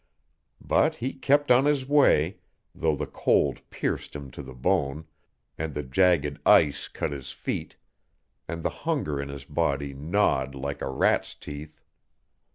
But he kept on his way, though the cold pierced him to the bone, and the jagged ice cut his feet, and the hunger in his body gnawed like a rat's teeth.